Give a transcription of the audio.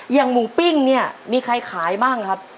อย่างหมูปิ้งเนี่ยมีใครขายบ้างครับ